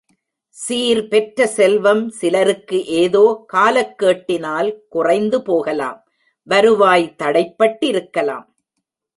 சீர் பெற்ற செல்வம் சிலருக்கு ஏதோ காலக் கேட்டினால் குறைந்து போகலாம் வருவாய் தடைபட்டிருக்கலாம்.